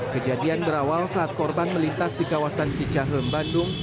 kejadian berawal saat korban melintas di kawasan cicahem bandung